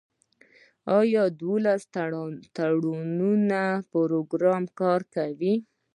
آیا د ولسي تړون پروګرام کار کوي؟